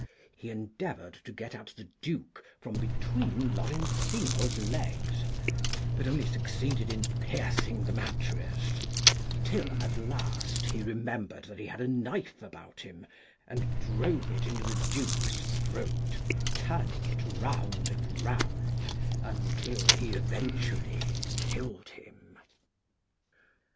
He endeavoured to get at the Duke from between Lorenzino's legs, but only succeeded in piercing the mattress, till at last he remembered that he had a knife about him, and drove it into the Duke's throat, turning it round and round until he eventually killed him.